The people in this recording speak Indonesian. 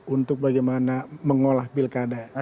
untuk bagaimana mengolah pilkada